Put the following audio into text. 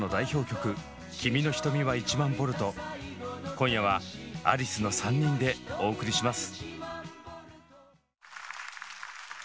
今夜はアリスの３人でお送りします。